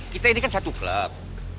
kita ini kan satu klub